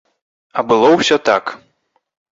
А было ўсё так.